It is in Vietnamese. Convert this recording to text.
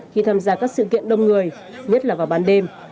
khi tham gia các sự kiện đông người nhất là vào ban đêm